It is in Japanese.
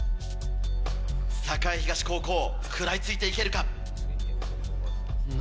栄東高校食らいついていけるか？